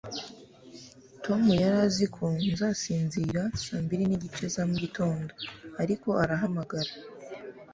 tom yari azi ko nzasinzira saa mbiri nigice za mugitondo, ariko arahamagara